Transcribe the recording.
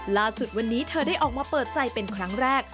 ล่าสุดวันนี้เธอได้ออกมาเปิดใจเป็นครั้งแรก